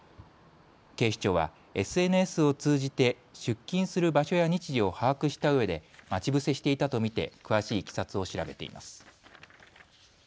警視庁はＳＮＳを通じて出勤する場所や日時を把握したうえで待ち伏せしていたと見て詳しいいきさつを調べています。